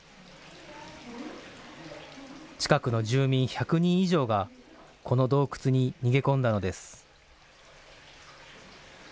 近くの住民１００人以上が、この洞窟に逃げ込んだのです。